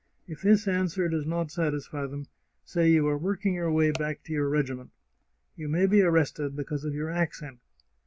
If this answer does not satisfy them, say you are working your way back to your regiment. You may be arrested because of your accent.